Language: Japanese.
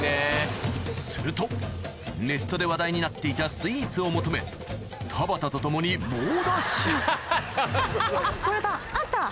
するとネットで話題になっていたスイーツを求め田畑と共に猛ダッシュあった！